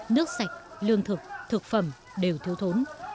nước sạch lương thực thực phẩm đều thiếu thốn